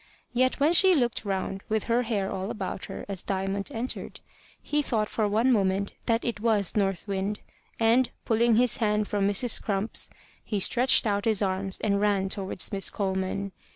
Yet when she looked round, with her hair all about her, as Diamond entered, he thought for one moment that it was North Wind, and, pulling his hand from Mrs. Crump's, he stretched out his arms and ran towards Miss Coleman.